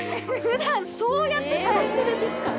普段そうやってすごしてるんですか？